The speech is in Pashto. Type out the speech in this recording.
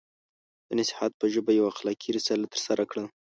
د نصیحت په ژبه یو اخلاقي رسالت ترسره کړ.